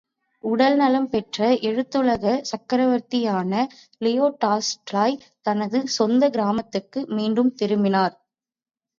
உடல் நலம் பெற்ற எழுத்துலகச் சக்கரவர்த்தியான லியோ டால்ஸ்டாய், தனது சொந்தக் கிராமத்துக்கு மீண்டும் திரும்பினார்.